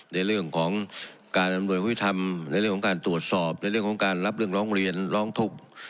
ในเรื่องของการอำนวยวิธรรมในเรื่องของการตรวจสอบในเรื่องของการรับเรื่องร้องเรียนร้องทุกข์